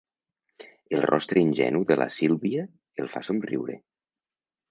El rostre ingenu de la Sílvia el fa somriure.